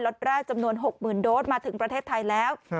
็ตแรกจำนวน๖๐๐๐โดสมาถึงประเทศไทยแล้ว